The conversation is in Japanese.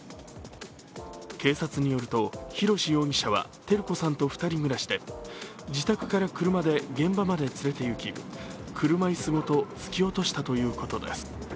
警察によると、宏容疑者は照子さんと２人暮らしで自宅から車で現場まで連れていき、車椅子ごと突き落としたということです。